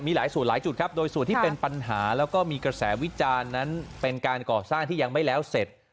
มีหลายส่วนหลายจุดครับโดยส่วนที่เป็นปัญหาแล้วก็มีกระแสวิจารณ์นั้นเป็นการก่อสร้างที่ยังไม่แล้วเสร็จ